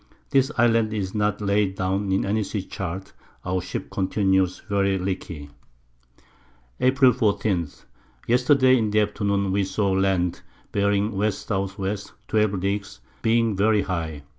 This Island is not laid down in any Sea Chart; our Ship continues very leaky. April 14. Yesterday in the Afternoon we saw Land, bearing W. S. W. 12 Leagues, being very high.